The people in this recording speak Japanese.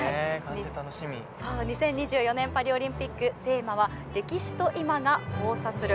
２０２４年、パリオリンピックテーマは「歴史と今が交差する」。